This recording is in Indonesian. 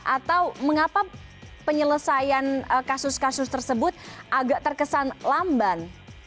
atau mengapa penyelesaian kasus kasus tersebut agak terkesan lamban